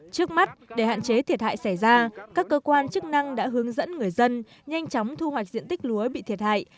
trước mắt để hạn chế thiệt hại xảy ra các cơ quan chức năng đã hướng dẫn người dân nhanh chóng thu hoạch diện tích lúa bị thiệt hại